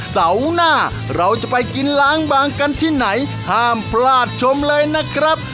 เสาร์หน้าเราจะไปกินล้างบางกันที่ไหนห้ามพลาดชมเลยนะครับ